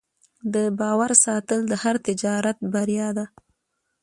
د باور ساتل د هر تجارت بری دی.